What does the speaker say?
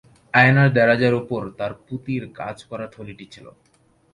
আয়নার দেরাজের উপর তার পুঁতির কাজ-করা থলিটি ছিল।